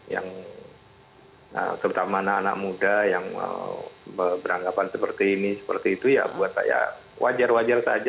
yang terutama anak anak muda yang beranggapan seperti ini seperti itu ya buat saya wajar wajar saja